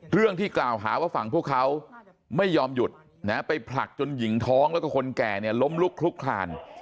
เรื่องที่กล่าวหาว่าฝั่งพวกเขาไม่ยอมหยุดไปผลักจนหญิงท้องแล้วก็คนแก่เนี่ยล้มลุกคลุกคลาน